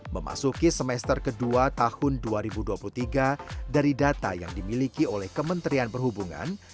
memasuki semester kedua tahun dua ribu dua puluh tiga dari data yang dimiliki oleh kementerian perhubungan